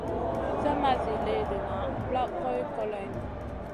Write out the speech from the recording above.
Slèh ma zi léhdéna plak goy koloy.